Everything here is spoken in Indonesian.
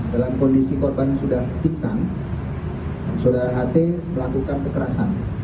dalam kondisi korban sudah piksan saudara ht melakukan kekerasan